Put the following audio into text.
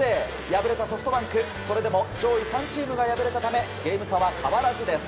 敗れたソフトバンク、それでも上位３チームが敗れたためゲーム差は変わらずです。